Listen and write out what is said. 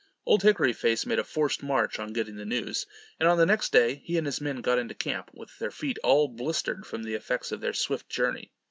Old Hickory face made a forced march on getting the news; and on the next day, he and his men got into camp, with their feet all blistered from the effects of their swift journey.